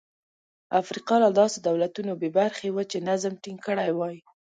افریقا له داسې دولتونو بې برخې وه چې نظم ټینګ کړي وای.